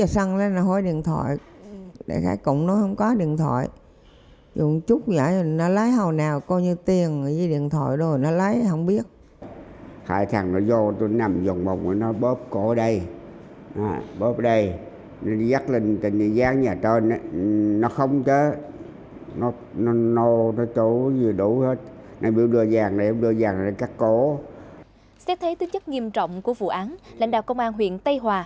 xét thấy tính chất nghiêm trọng của vụ án lãnh đạo công an huyện tây hòa